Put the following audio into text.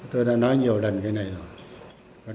tôi đã nói nhiều lần cái này rồi